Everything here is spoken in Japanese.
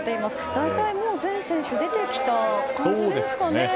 大体、全選手出てきた感じですかね。